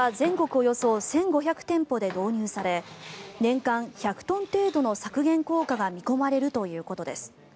およそ１５００店舗で導入され年間１００トン程度の削減効果が見込まれるということです。